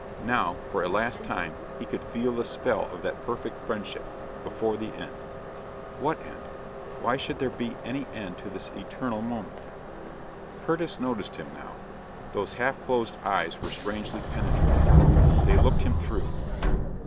Now, for a last time, he could feel the spell of that perfect friendship before the end. What end? Why should there be any end to this eternal moment? Curtis noticed him now. Those half closed eyes were strangely penetrating. They looked him through.